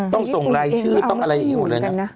ส่งรายชื่อต้องอะไรอยู่เลยนะ